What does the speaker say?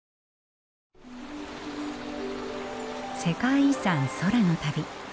世界遺産空の旅。